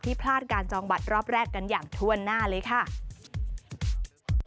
พลาดการจองบัตรรอบแรกกันอย่างถ้วนหน้าเลยค่ะ